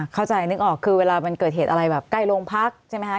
เข้าใจนึกออกคือเวลามันเกิดเหตุอะไรแบบใกล้โรงพักใช่ไหมคะ